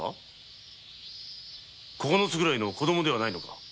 九つぐらいの子供ではないのか？